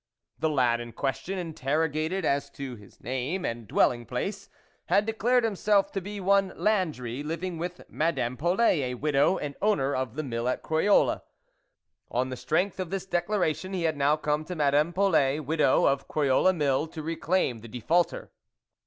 The lad in question, interrogated as to his name and dwelling place,; had declared himself to be one Landry, living with Madame Polet, a widow, owner of the Mill at Croyolles. On the strength of this dec laration, he had now come to Madame Polet, widow, of Croyolles Mill, to reclaim the defaulter.